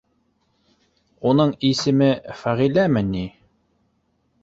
Уның исеме Фәғиләме ни?